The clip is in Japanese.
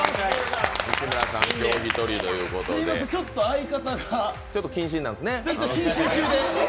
すみません、ちょっと相方がちょっと謹慎なんですね。